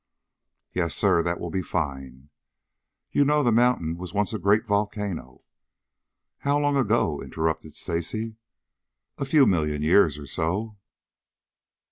"Yes, sir; that will be fine." "You know the mountain was once a great volcano." "How long ago?" interrupted Stacy. "A few million years or so."